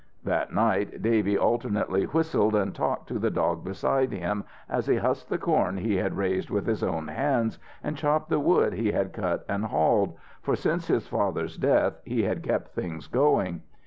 That night Davy alternately whistled and talked to the dog beside him as he husked the corn he had raised with his own hands, and chopped the wood he had cut and hauled for since his father's death he had kept things going.